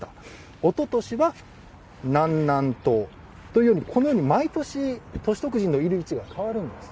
おととしは南南東というふうにこのように毎年歳徳神のいる位置が変わるんです。